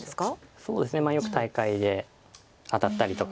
そうですねよく大会で当たったりとか。